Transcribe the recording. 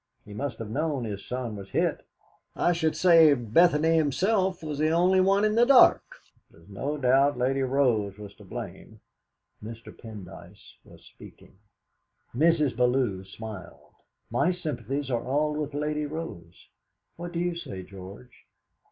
He must have known his son was hit. I should say Bethany himself was the only one in the dark. There's no doubt Lady Rose was to blame!" Mr. Pendyce was speaking. Mrs. Bellew smiled. "My sympathies are all with Lady Rose. What do you say, George?"